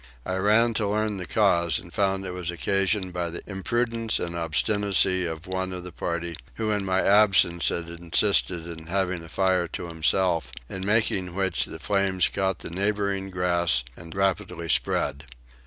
I ran to learn the cause and found that it was occasioned by the imprudence and obstinacy of one of the party who in my absence had insisted on having a fire to himself, in making which the flames caught the neighbouring grass and rapidly spread.